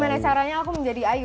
gimana caranya aku menjadi ayu